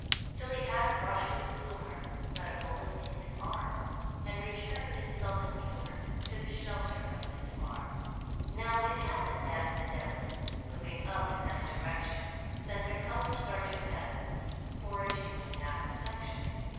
Till he had a brush with Plumer, Got a bullet in his arm, And returned in sullen humour To the shelter of his farm. Now it happened that the Devons, Moving up in that direction, Sent their Colour Sergeant Evans Foraging with half a section.